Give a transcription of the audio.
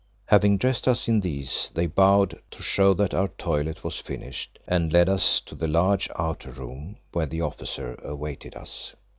Having dressed us in these they bowed to show that our toilette was finished, and led us to the large outer room where the officer awaited us.